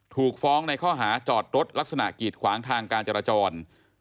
ถูกฟ้องในข้อหาจอดรถลักษณะกีดขวางทางการจราจร